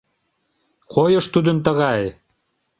Койыш тудын тыгай...